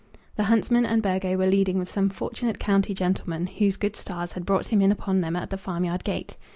The huntsman and Burgo were leading with some fortunate county gentleman whose good stars had brought him in upon them at the farmyard gate.